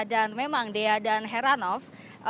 dan memang dea dan heranov